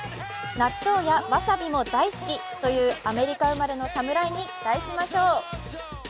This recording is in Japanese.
納豆やわさびも大好きというアメリカ生まれの侍に期待しましょう。